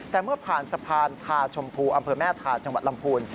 แต่เมื่อผ่านสะพานทาชมพูอำเภอแม่ทาจังหวัดลำพูน